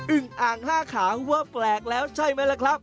ึงอ่างห้าขาวว่าแปลกแล้วใช่ไหมล่ะครับ